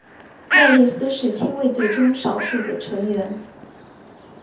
莫里斯是亲卫队中少数的成员。